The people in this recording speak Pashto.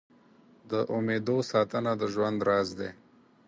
د امېدو ساتنه د ژوند راز دی.